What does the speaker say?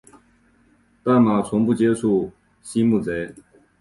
但马从不接触溪木贼。